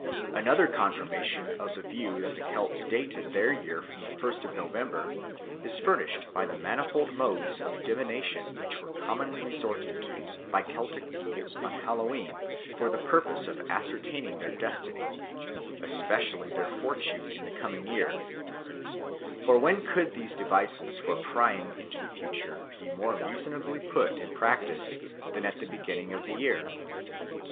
Another confirmation of the view that the Celts dated their year from the first of November is furnished by the manifold modes of divination which were commonly resorted to by Celtic peoples on Hallowe'en for the purpose of ascertaining their destiny, especially their fortune in the coming year; for when could these devices for prying into the future be more reasonably put in practice than at the beginning of the year?